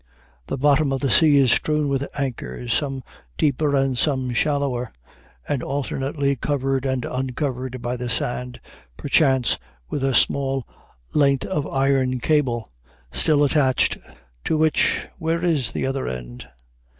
The bottom of the sea is strewn with anchors, some deeper and some shallower, and alternately covered and uncovered by the sand, perchance with a small length of iron cable still attached, to which where is the other end?...